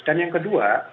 dan yang kedua